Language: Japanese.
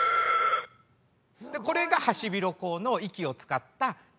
これがハシビロコウの息を使った鳴き方です。